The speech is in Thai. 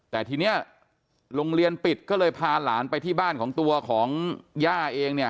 แต่ทีนี้โรงเรียนปิดก็เลยพาหลานไปที่บ้านของตัวของย่าเองเนี่ย